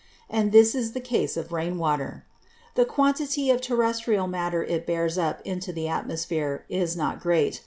And this is the Case of Rain water. The Quantity of Terrestrial Matter it bears up into the Atmosphere, is not great.